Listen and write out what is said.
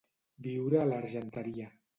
Viure a l'Argenteria.